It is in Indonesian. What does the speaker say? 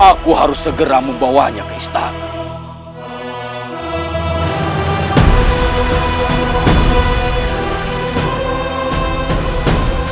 aku harus segera membawanya ke istana